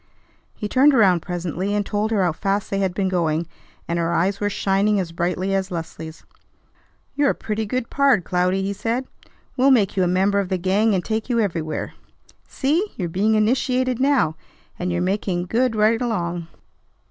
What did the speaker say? He turned around presently, and told her how fast they had been going; and her eyes were shining as brightly as Leslie's. "You're a pretty good pard, Cloudy," he said. "We'll make you a member of the gang and take you everywhere. See! You're being initiated now, and you're making good right along.